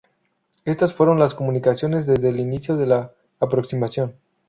Estas fueron las comunicaciones desde el inicio de la aproximación.